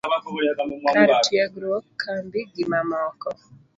kar tiegruok, kambi, gi mamoko